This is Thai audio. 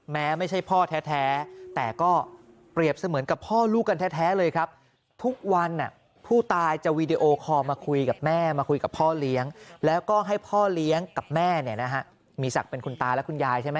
แม่มีศักดิ์เป็นคุณตาและคุณยายใช่ไหม